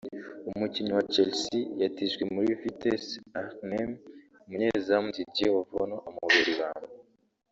umukinnyi wa Chelsea yatijwe muri Vitesse Arnhem umunyezamu Didier Ovono amubera ibamba